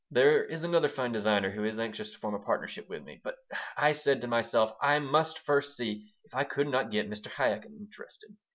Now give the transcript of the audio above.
There is another fine designer who is anxious to form a partnership with me, but I said to myself, 'I must first see if I could not get Mr. Chaikin interested.'"